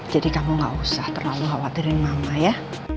jadi kamu gak usah terlalu khawatirin mama ya